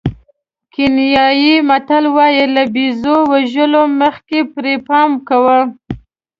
کینیايي متل وایي له بېزو وژلو مخکې پرې پام کوه.